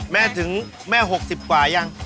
ถึงแม่๖๐กว่ายัง